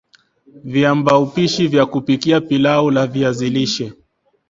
Viambaupishi vya kupikia pilau la viazi lishe